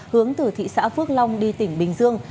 hướng từ thị xã phước long đi tỉnh bình dương